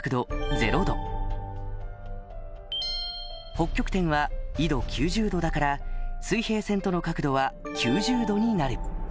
０度北極点は緯度９０度だから水平線との角度は９０度になる